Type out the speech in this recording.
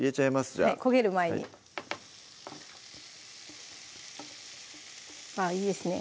じゃあ焦げる前にあっいいですね